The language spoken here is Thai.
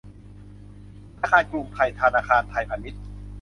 ธนาคารกรุงไทย ธนาคารไทยพาณิชย์